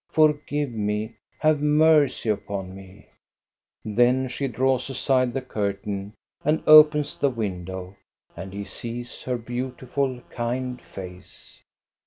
Forgive me ; have mercy upon me !" Then she draws aside the curtain and opens the window, and he sees her beautiful, kind face.